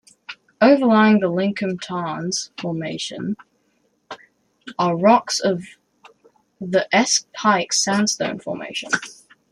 Overlying the Lincomb Tarns Formation are rocks of the Esk Pike Sandstone Formation.